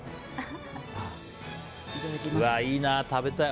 いいな、食べたい。